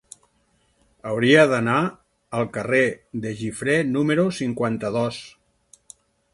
Hauria d'anar al carrer de Guifré número cinquanta-dos.